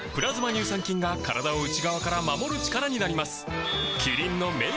乳酸菌が体を内側から守る力になります